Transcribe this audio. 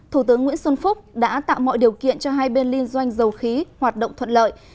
thủ tướng nguyễn xuân phúc đã tạo mọi điều kiện cho hai bên liên doanh dầu khí hoạt động thuận lợi